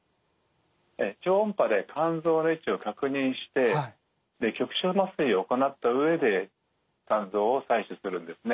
超音波で肝臓の位置を確認して局所麻酔を行った上で肝臓を採取するんですね。